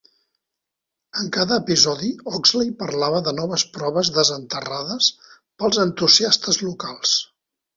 En cada episodi, Oxley parlava de "noves proves desenterrades pels entusiastes locals".